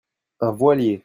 un voilier.